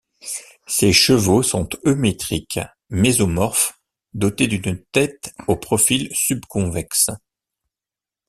Ces chevaux sont eumétriques, mésomorphes, dotés d'une tête au profil subconvexe.